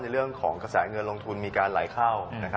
เรื่องของกระแสเงินลงทุนมีการไหลเข้า